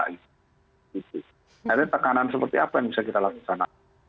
akhirnya tekanan seperti apa yang bisa kita lakukan